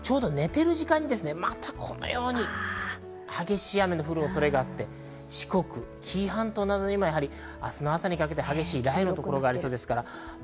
寝ている時間にこのように激しい雨が降る恐れがあって、四国、紀伊半島などにも明日の朝にかけて激しい雷雨の所がありそうです。